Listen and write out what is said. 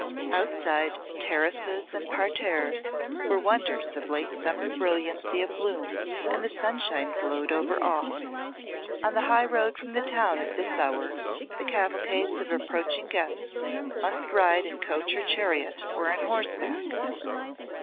Outside, terraces and parterres were wonders of late summer brilliancy of bloom, and the sunshine glowed over all. On the high road from town at this hour the cavalcades of approaching guests must ride in coach or chariot or on horseback.